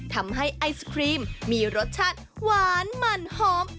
ทำให้ไอศครีมมีรสชาติหวานมันหอม